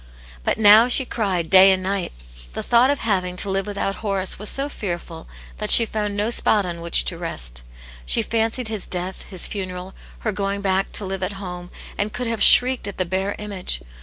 But now she cried day and night. The thought of having to live without Horace was so fearful that she found no spot on whi(di to rest. She fancied his death, his funeral, her going back to live at home, and could have shrieked at the bare image.